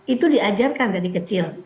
itu diajarkan dari kecil